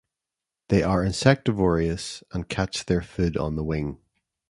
They are insectivorous, and catch their food on the wing.